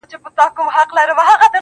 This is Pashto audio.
سترگي يې توري ،پر مخ يې ښكل كړه.